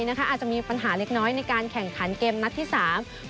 อาจจะมีปัญหาเล็กในการแข่งขันเกมและเตรียมนักที่๓